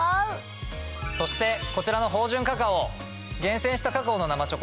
そしてこちらの芳醇カカオ。